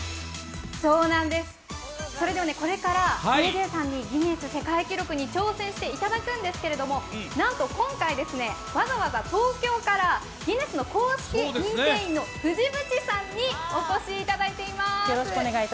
そうなんです、これからＪＪさんにギネス世界記録に挑戦していただくんですがなんと今回、わざわざ東京からギネスの公式認定員の藤渕さんにお越しいただいています。